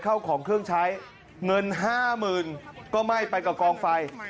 เข้าของเครื่องใช้เงิน๕๐๐๐ก็ไหม้ไปกับกองไฟ